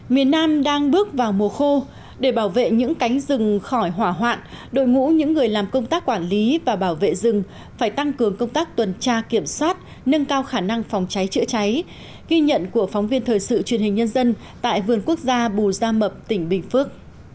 miền nam đang bước vào mùa khô để bảo vệ những cánh rừng khỏi hỏa hoạn đội ngũ những người làm công tác quản lý và bảo vệ rừng phải tăng cường công tác tuần tra kiểm soát nâng cao khả năng phòng cháy chữa cháy ghi nhận của phóng viên thời sự truyền hình nhân dân tại vườn quốc gia bù gia mập tỉnh bình phước